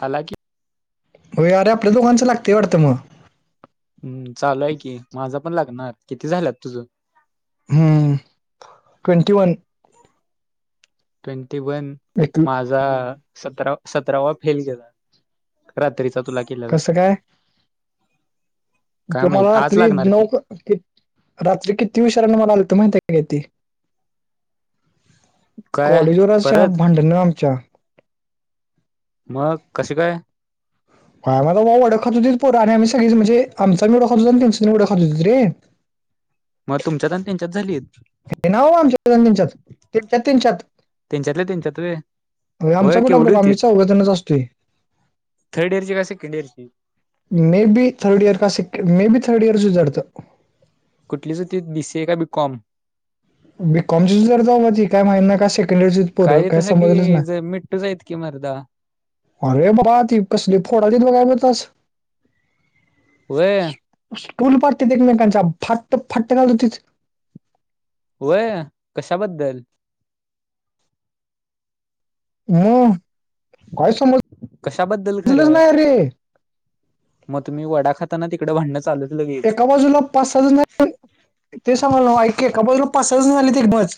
हाला की. वय अरे आपल्या दोकाचं लागते वाटतं मग. हम्म चालू आहे की माझा पण लागणार किती झालात तुझं? Twenty one. ट्वेंटी वन [unintelligible] माझा सतरा सतरावा फेल गेला रात्रीचा तुला केलेला. कसं काय तुम्हाला माहित आज रात्री लागणार नऊ की कि रात्री किती उशीराने मला आलत माहिती आहे का ते. काय कॉलेज वर आज श्याण्या परत भाडंन आमच्या. मग कसे काय? काय माहीत वडाखात होतीत पोर आणि आम्ही सगळीच म्हणजे आमचं आम्हीं वडा खात होतो आणि त्यांच त्यांनी वडा खात होतीत रे मग तुमच्यात आणि त्यांच्यात झाली आहेत. हे ना आमच्या आणि त्यांच्यात [unintelligible] त्यांच्यातले त्याच्यातरे. आमच्या कुणा [unintelligible] थर्ड इयर असते, [unintelligible] मे बी थर्ड इयर का स मे बी थर्ड इयर कुठली दिसे बी सी ए का बी कॉम. बीकॉमची जर जाऊ मा ती काय का सेकंड इयरचीच पोर आहे काय समजलच नाही. तिथंच आहेत की मरदा. अरे बाबा ती कसली फोडा बघा गेल्तास. होय स्कूल पडते ते म का फाट्ट -फाट्ट घाल [unintelligible] होय कशाबद्दल? म काय समज कशाबद्दल खरं, म तुम्ही वडा खाताना तिकडं भाडंन चालू एका बाजूला पाच- सहा जण ते सांगाल ना ऐक एका बाजूला पाच सहा झाली तरी बास.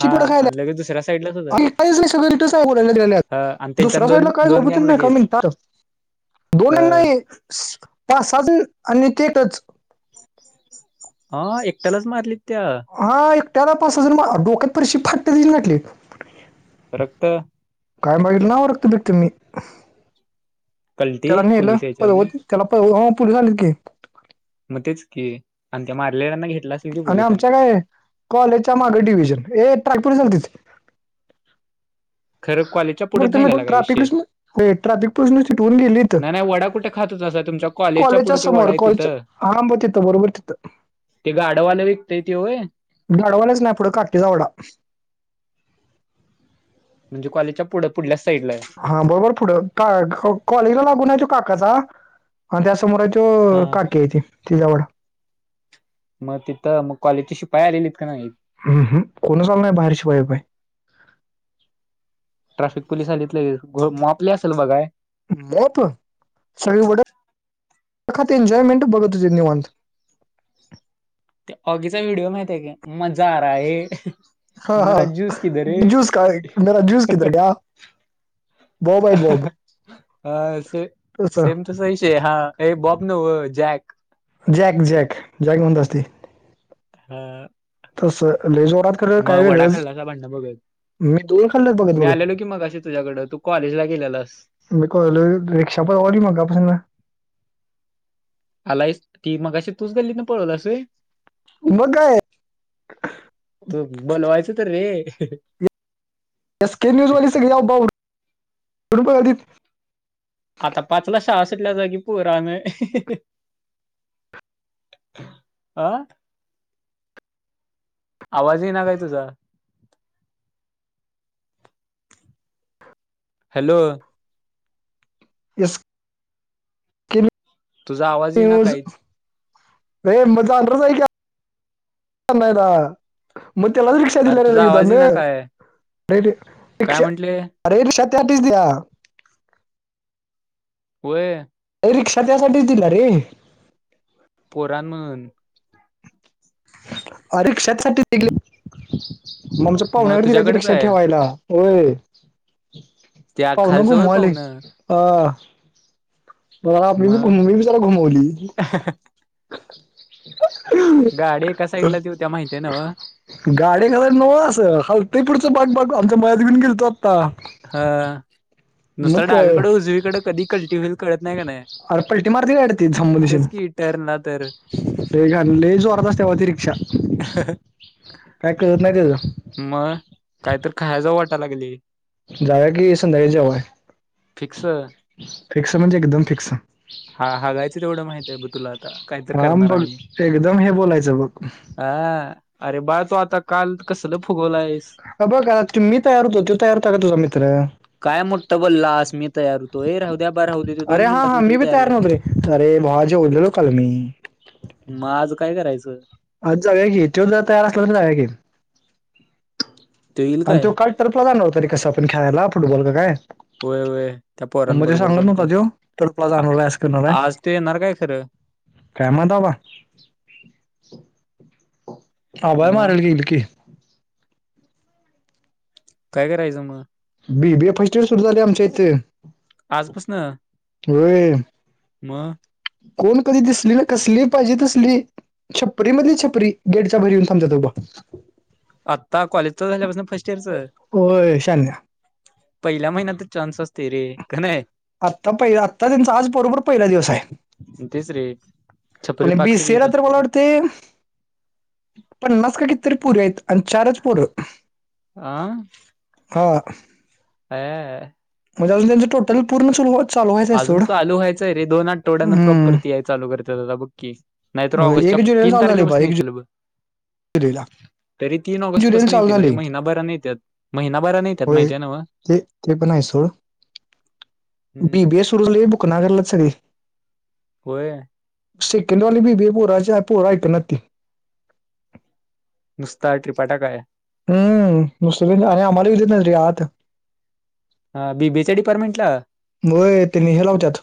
हा खायला आणि लगेच दुसऱ्या साईडलाच होता. आणि काहीच नाही सगळं रिथच [unintelligible] बोलालाल्यात हा आणि त्यांच्यात दुसऱ्या साईडला दोन काय दोन सोबत गँग नाही काय लगेच. म्हणतात. ह दोन नाही पाच-सहा आणि तेच. [inaudible] हा एकट्यालाच मारलीत त्या. हा एकट्याला पाच-सहा जण मा डोक्यात फरशी फाट्टेनी घातली. रक्त काय बघलं ना रक्तबीत्त मी, कलटी त्याला नेलं पोलीस यायच्या आधी. पळवत. त्याला प हा पुलीस आले की, मग तेच की, आणि त्या मारलेल्यांना घेत आणि आमच्या काय कॉलेजच्या मागे डिव्हजन हे ट्रॅगपूर चातिच. खरं कॉलेजच्या पुढेच मग ते मी झालेला काय विषय. ट्राफिकस हो ट्राफिक पोललीस न तिटवून गेली नाही इथं. नाही वडा कुठे खात होतासा तुमच्या कॉलेजच्या कॉलेज पुढे त्यो वडा समोर आहे कॉलेज तिथं. हा म तिथं बरोबर तिथं. ते गाड्यावाल विकतय ते होय. भडवालच नाही पुढं काटीचावडा. म्हणजे कॉलेजच्या पुढे पुढल्या साईडला आहे. हा बरोबर पुढं का कॉलेज लागून आहे तू काकाचा त्याच समोर आहे तो हा काकी आहे ती - ती जागा. मग तिथं मग कॉलेजचे शिपाई आलेलीत का नाही? उम्म हम्म कोणच आलं नाही शिपाई बिपाई. ट्रॅफिक पोलिस आलेतली मापले असेल बघाय. मोप सगळी वट एख एन्जॉयमेंट बघत असेल निवांत. ते ऑगीचा व्हिडिओ माहित आहे का, मजा आ रहा है. हा हा मेरा जूस किधर है ज्यूस का मेरा ज्यूस [inaudible] [inaudible] किधर गया बॉब आहे बॉब सेम- सेम तसं कसा विषय हा ये बाँब नको जॅक. जॅक - जॅक - जॅक म्हणत बसली. हा. तस लय जोरात. खरं मग वडा खाल्ला का भांडणं बघत. [unintelligible] दूर खाल्लं तुम मी आलेलो की मघाशी तुझ्याकडं, तू कॉलेजला गेलेलास. मला कळलं रिक्शा पाव राली मगा पसुनं. आलायस ती मघाशी तूच गल्लीत नं पळवला व्हय? म काय? तू बोलवायंच तर रे एस के न्यूजवाली सगळी जा बाऊध [unintelligible] आता पाचला शाळा सुटल्या जा की पोरं आनायं. आ, आवाज यीना काय तुझा? हॅलो, इ [unintelligible] तुझा आवाज यी ना काहीच. ए मजान रच [unintelligible] आहे का नाहीला म तेव्हा रिक्शा अरे तुझा दिलं आवाज तमरे येईना काय [unintelligible] पहिले काय रिक्शा म्हंटले अरे रिक्शा [unintelligible] द्या व्हय, अरे रिक्शा त्यासाठीच दिल्या रे पोरानं नुन अं रिक्शा त्या साठी घेतली मग आमचे पावणे त्या तुझ्याकडेच रिक्षात आहे ठेवायला. होय, त्या पाऊनं खालचं वय घुमवायली पाहुणं. अं म आपली मग घुमली त घुमावायली गाडी एका ह साईडला देऊ त्या माहिती आहे नव्ह. [inaudible] गाडी्या खालायला नव असं खालतय पुढचं बाग बाग आमच्या मळ्यात घेवुन गेलतो आता. हा नुसतं काय डावीकडुन-उजवीकडं कधी कलटी होईल कळत नाही का नाही. अरे पल्टी मारती ती गाडी झगं दिशी. तर ना तर ते घले लैय जोरात असतेव ती रिक्षा. काही कळतं नाही त्याच म काहीतर खाया जाऊ वाटाया लागली. जावुया की संध्याकाळी जेवण, फिक्स. फिक्स म्हणजे एकदम फिक्स. हा -हा जायचं तेवढं माहित ये बु तुला आता. काहीतर हा करणार बुल आणि. एकदम हे बोलायचं बघ हा अरे बाळ तू आता कालं कसलं फुगवला आहेस? अ बघ का त मी तयार होतो, तो तयार होता का तुझा मित्र? काय मोठं बोलंलास मी तयार होतो, ए राहू द्या ब राहू दे तो अरे दोन हा मिनिटात हा मी तुला बी तयार कर नव्हतो अरे बाळं जेवलेलो काल मी. म आज काय करायचं? आज जाऊया कि त्यो जर तयार असला तर जाऊया की. येईल अन् काय? त्यो काढत तर प प्रलाानड होतरी कसं खेळायला फुटबॉल काय? होय होय. त्या म म्हणजे पोरांबरोबर सांगत कोण नव्हता कोण? त्यो फुटबॉल जाणार आहे असं करणार आहे? आज ते येणार काय खरं काय माहित बा? हभय मग गल [inaudible] काय करायचं म? B B A first year सुरू झाले, आमच्या इथे आज पसनं, होय म कोण कधी दिसली ना कसली पायजे तसली छपरी मधली छपरी,, गेटच्या बाहीर येऊन थांबत्यात उभं. आता कॉलेजच झाल्यापासनं फर्स्ट इयरचं होय शान्या पहिल्या महिन्यातच चान्स असतय रे,, क नाही. आत्ता पहि आत्ता त्यांचा आज बरोबर पहिला दिवस हाय. तिसरी आणि बी सी ए ला तर मला तिथली वाटतय पन्नास का कितीतरी पोरी हाईत, आणि चारच पोरं आ अयायाया म्हजे अजुन त्यांचं टोटल [unintelligible] अजून सोड चालू व्हायचय रे, दोन आठवड्यान हम्म प्रॉपर ती याय चालू करतेत आता बघकी. नाहीतर होय, ऑगस्टच्या एक जुलैला तीन तारखेपासनं येतील बग. ते ला तरी तीन ऑगस्ट पासनं येतील रे महिनाभरान येत्यात, महिना भरान येत्यात होय माहिती आय नव्हं. ते ते पण हाय सोड. हम्म. बीबीए सुरू करलात सगे [unintelligible] होय. सेकंडवाली बीबीए भूरा च पूरा ऐकं नात ती नुसता ट्रिपटा काय हम्म, नुसतं बि आणि आम्हालाही वि देत ना रे आत. हा बीबीए च्या डिपार्टमेंटला. व्हय ते नी हे लावतत,,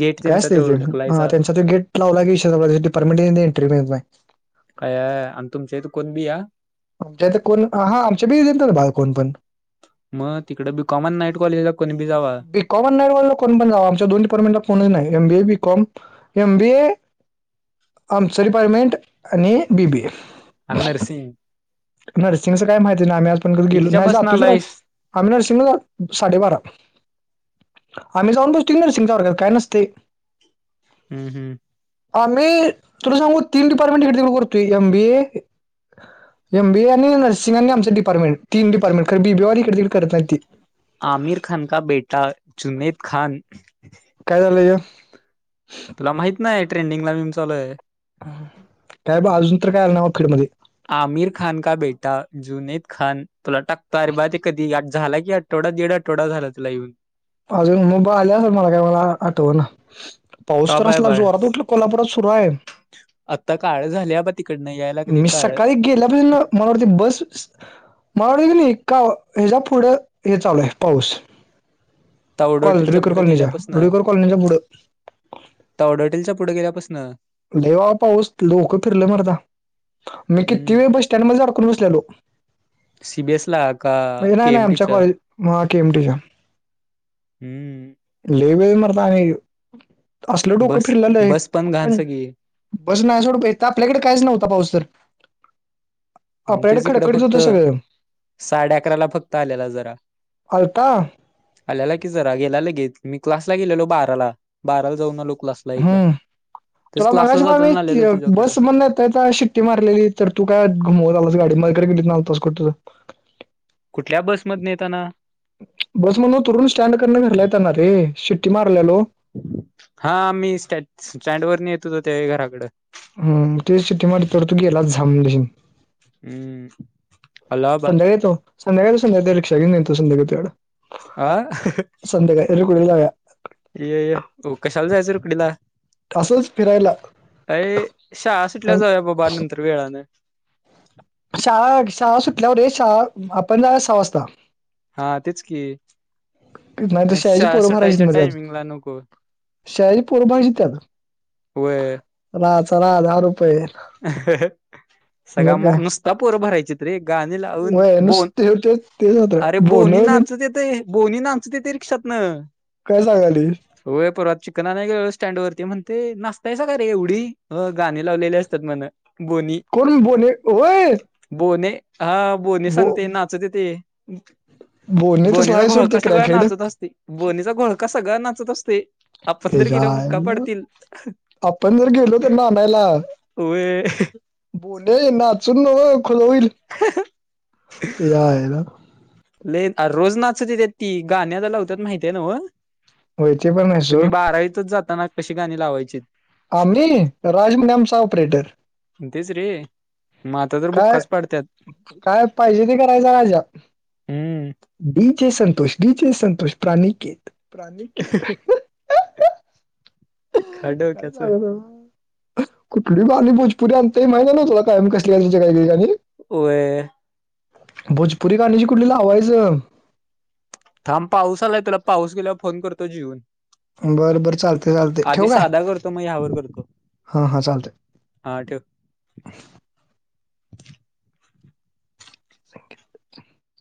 गेट काय त्यांचा तो असतथे ढकलायचा त्यांचा त गेट. लावलागे परमिट एंटरव्यू येत नाही [unintelligible] अ आणि तुमच्या इथं कोण बी या आमच्या इथं कोण,, हा हा आमच्या बि देत ना बा कोण पण. मग तिकडं बीकॉमन नाईट कॉलेजला कोणी बी जावा. कॉमन नाईटवाला कोण पण जावा,, आमच्या दोन डिपार्टमेंटला कोणही नाही,, M BA B com M BA आमचं डीपारमेंट,, आणि बी बी एफ अं. नसिंग नर्सिंगचं काय माहिती आहे नाही आम्ही आज पण कधी गेलो, नाही बसन जातोय त आलायस आम्ही नर्सिंगला साडेबारा. आम्ही जाऊन बसतय कि नरसिंगच्या वर्गात, काय नसतय. हम्म हम्म. आम्ही तुला सांगू तीन डिपार्टमेंट करतोय M B A M BA आणि नर्सिंग आणि आमच डिपार्टमेंट, तीन डिपार्टमेंट बी बी ए वाले इकडतिकड करत नाही ते. आमिर खान का बेटा जुनेद खान काय झालय हे तुला माहीत नाही ट्रेंडिंगला मीम चालूय. काय ब अजून तर काय आलं नावा फीडमध्ये आमिर खान का बेटा जुनैद खान, तुला टाकतो अरे बाळ ते कधी झाला की टोडा दिड आटोडा झाला तीला इवून. अजून मुबा आले मला काय मला आठव ना. पाऊस तर टॉप आहे असला बाळ जोरात उठला कोल्हापुरात सुरू हाय आत्ता काळं झाल्याब तिकडन यार मी सकाळी गेल्यापास मला वाटते बस मला वाटत क हेचा पुढं हे चालू आहे पाऊस तावड कॉल हॉटेलच्या रुकर पुढे कॉलनीच्या गेल्यापासन रुकर कॉलनीचा पुढ तावडेहॉटेल च्या पुढे गेल्यापासन लय बाबा पाऊस लोक फिरलं मरदा मी किती वेळ हम्म बस सटँडमध्येध्ये अडकून बसलेलो सीबीएस ला का मनाही नाही आमच्या केएमटीच्या कॉलेच्या केएमटीच्या हम्म लय वेळ मरता नाही असल डोकं बस फिरलेल लय बस पण घाण सगळी बस नाजवड आपल्याकडे काहीच नव्हता पाऊस तर आपल्याकडे तेच इकडं खडकडीत फक्त होतं सगळं साडे अकराला फक्त आलेला जरा आलता आल्याला की जरा गेला लगेच मी क्लासला गेलो बाराला बाराला जाऊन आलो क्लासला एकला हम्म तेच तुला क्लासला मगायशी बा मी जाताना आलेलो तुझ्याकडं बस म्हणिक मारलेली तर तू काय घुमव आलास गाडी मगरेली तसं कुठल्या बसमधन येताना बस म्हणून उतरुन स्टँड करण घरलायताना रे शिट्टी मारल्यालो हा मी स्ट स्टँड वरून येत होत त्या घराकडं हम तेच शिटी मारीस पर्यंत तू गेलास लगेच हम्म हॅलो आबा संध्याकाळी येतो संध्याकाळीेतो संध्या येतो रिकक्षा घेन येतो संध्या घेतो तुझाकड आ ह संध्याकाळी लेगुलार जाऊया ये कशाला जायचं रुकडीला असंच फिरायला अे शाळा सुटल्या अन जाऊया बाबा नंतर वेळान शाळा शाळा सुटल्यावर शाळा आपण जाऊ या सहा वाजता हा तेच की नाही तर शाळेची शाळा पोर भरायची सुटायच्या मग त्यात टायमिंगला नको शाळेची पोर पाहिजे त्यात वय चला चला दहा रुपये अ सगळा मग नुसता पोर भरायची रे गाणी लावून वय बोन नुसते होते तेच अरे होतं बोन बोनी बिन नाचूदेत ते बोवनी नाचू देते ते रिक्षात न ते काय सांगालेस होय परवात चिकन नाही गे स्टँड वरती म्हणते नाचताय सग का रे एवढी गाणी लावलेली असते ते म्हणा गोनी कोण बोने होय हा बोणे हा बोणे बो सांगते नाचतते बोने तसला बोनीचा आहे सोड ते घोळका सगळ क्रॅकेड नाचत असते बोनीचा घोळका सगळळा नाचत असते आपण तर त्याच्या गेलो तर बुक्का आईला पडतील आपण जर गेलो तर नानायला वय ये नाचून नको खुल होईल याच्या आईला लले रोज नाचू देणत्यात ती गाण्या लावतात माहिती आहे ना होय ते पण नाही तुम्ही सोड बारावीतच जाताना तुम्ही कशी गाणी लावायची आम्ही राजमडमचा ऑपरेटर तेच रे मग आता तर काय बुक्काच पाडत्यात. काय पाहिजे ते करायच राजा. हम्म D J Santosh, D J Santosh, Praniket Praniket काय सांग ना? कुठली गाणी भोजपुरी अंनताय माहिती न तुला काय मी कसली क काही गाणी. होय... भोजपुरी गाणी जी कुठली लावायच? थांब पाऊस आलाय तुला पाऊस गेल्यावर फोन करतो जेवून. बरं बर, चालतय चालतय ठेवू काय साधा करतो मग ह्यावर करतो हा हा चालतय. हा ठेव. संकेत.